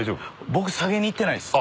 僕下げに行ってないです。